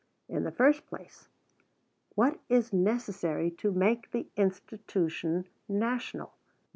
In the first place, what is necessary to make the institution national?